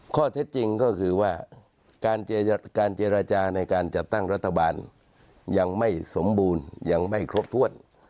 ข้อเท็จจริงก็คือว่าการเจรจาในการจัดตั้งรัฐบาลยังไม่สมบูรณ์ยังไม่ครบถ้วน